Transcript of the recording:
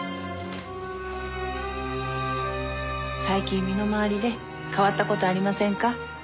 最近身の回りで変わった事ありませんか？